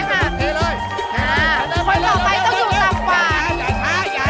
คนต่อไปต้องอยู่ตรอบหวาน